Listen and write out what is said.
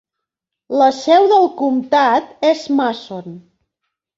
La seu del comtat és Mason.